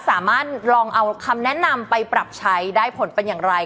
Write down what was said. สามารถลองเอาคำแนะนำไปปรับใช้ได้ผลเป็นอย่างไร